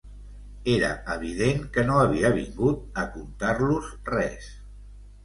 Era evident que no havia vingut a contar-los res.